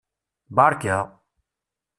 Berka!